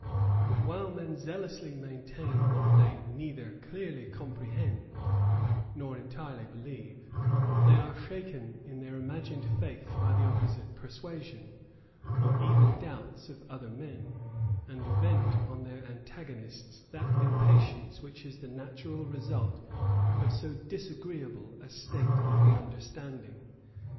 But while men zealously maintain what they neither clearly comprehend nor entirely believe, they are shaken in their imagined faith by the opposite persuasion, or even doubts, of other men; and vent on their antagonists that impatience which is the natural result of so disagreeable a state of the understanding.